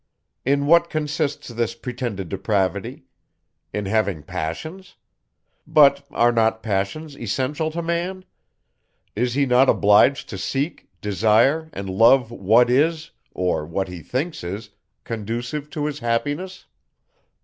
In what consists this pretended depravity? In having passions? But, are not passions essential to man? Is he not obliged to seek, desire, and love what is, or what he thinks is, conducive to his happiness?